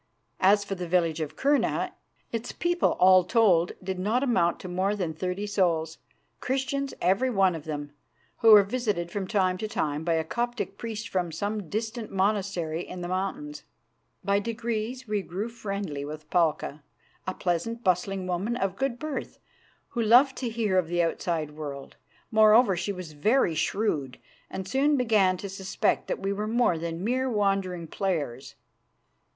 As for the village of Kurna, its people all told did not amount to more than thirty souls, Christians every one of them, who were visited from time to time by a Coptic priest from some distant monastery in the mountains. By degrees we grew friendly with Palka, a pleasant, bustling woman of good birth, who loved to hear of the outside world. Moreover, she was very shrewd, and soon began to suspect that we were more than mere wandering players.